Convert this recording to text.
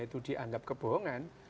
itu dianggap kebohongan